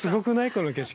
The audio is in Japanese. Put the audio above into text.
この景色。